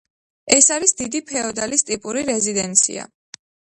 ეს არის დიდი ფეოდალის ტიპური რეზიდენცია.